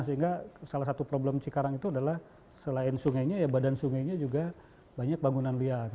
sehingga salah satu problem cikarang itu adalah selain sungainya ya badan sungainya juga banyak bangunan liar